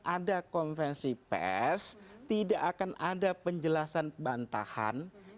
ada apa yang diperlukan